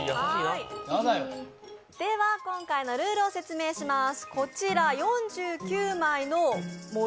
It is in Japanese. では今回のルールを説明します。